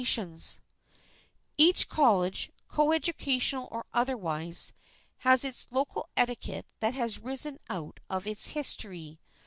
[Sidenote: COLLEGE PRECEDENTS] Each college, coeducational or otherwise, has its local etiquette that has risen out of its history.